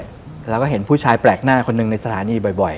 เราก็เห็นผู้ชายแปลกหน้าคนหนึ่งในสถานีบ่อย